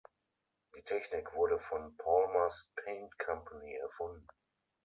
Die Technik wurde von Palmer’s Paint Company erfunden.